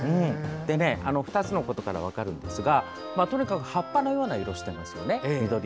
２つのことから分かるんですがとにかく葉っぱのような色をしてますよね。